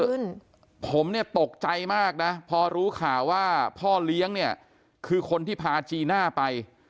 ขึ้นผมเนี่ยตกใจมากนะพอรู้ข่าวว่าพ่อเลี้ยงเนี่ยคือคนที่พาจีน่าไป